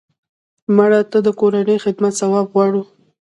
مړه ته د کورنۍ خدمت ثواب غواړو